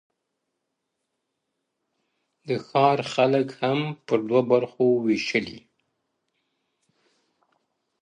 • د ښار خلک هم پر دوو برخو وېشلي -